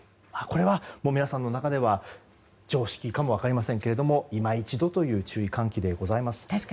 これは皆さんの中では常識かも分かりませんが今一度という注意喚起でございます。